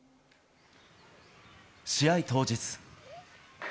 試合当日。